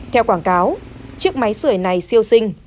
theo quảng cáo chiếc máy sửa này siêu xinh